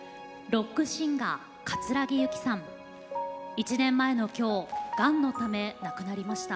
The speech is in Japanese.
１年前の今日がんのため亡くなりました。